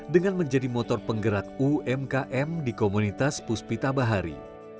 dengan menjadi motor penggerak umkm di komunitas puspita bahari